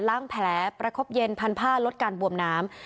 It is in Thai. แผลประคบเย็นพันผ้าลดการบวมน้ำ